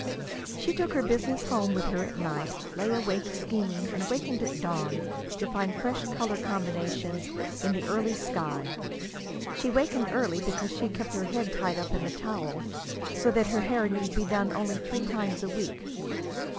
She took her business home with her at night, lay awake scheming, and wakened at dawn to find fresh color combinations in the early sky. She wakened early because she kept her head tied up in a towel, so that her hair need be done only three times a week.